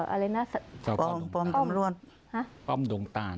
อะไรนะป้อมป้อมดงตาล